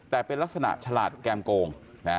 แต่เป็นลักษณะฉลาดแก้มโกง